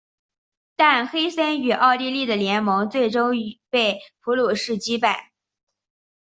但黑森与奥地利的联盟最终被普鲁士击败。